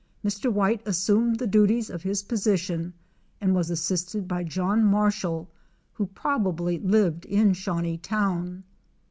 Mr. White assumed the duties of his position and was assisted by John Marshall who probably lived in Shawneetown.